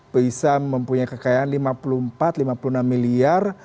bisa mempunyai kekayaan lima puluh empat lima puluh enam miliar